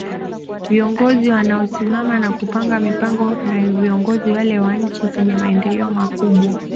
Viongozi wanao simama na kupanga mipango ni viongozi wale wa nchi zenye maendeleo makubwa